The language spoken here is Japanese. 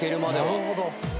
なるほど。